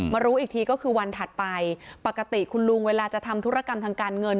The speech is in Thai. รู้อีกทีก็คือวันถัดไปปกติคุณลุงเวลาจะทำธุรกรรมทางการเงิน